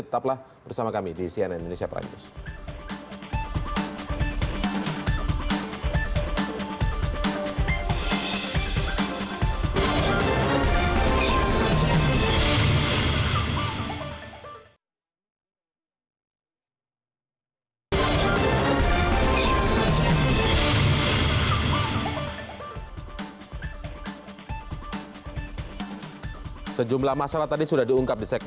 tetaplah bersama kami di cnn indonesia prajurit